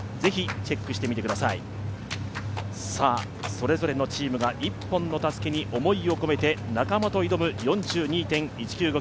それぞれのチームが１本のたすきに思いを込めて仲間と挑む４２．１９５